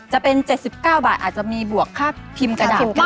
จะเป็น๗๙บาทอาจจะมีบวกค่าพิมพ์กระดาษบ้าง